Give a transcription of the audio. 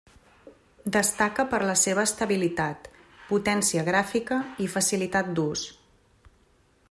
Destaca per la seva estabilitat, potència gràfica i facilitat d'ús.